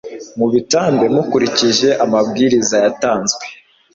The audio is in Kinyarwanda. mubitambe mukurikije amabwiriza yatanzwe